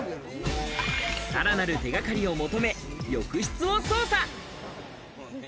さらなる手掛かりを求め、浴室を捜査。